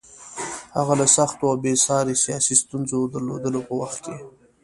هغه له سختو او بې ساري سیاسي ستونزو درلودلو په وخت کې.